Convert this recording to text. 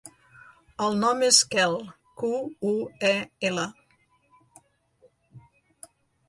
El nom és Quel: cu, u, e, ela.